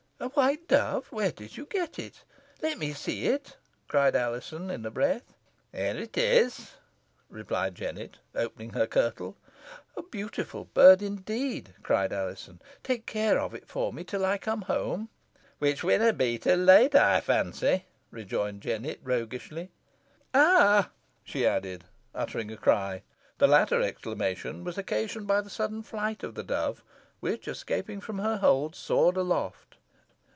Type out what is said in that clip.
"A white dove! Where did you get it? Let me see it," cried Alizon, in a breath. "Here it is," replied Jennet, opening her kirtle. "A beautiful bird, indeed," cried Alizon. "Take care of it for me till I come home." "Which winna be till late, ey fancy," rejoined Jennet, roguishly. "Ah!" she added, uttering a cry. The latter exclamation was occasioned by the sudden flight of the dove, which, escaping from her hold, soared aloft.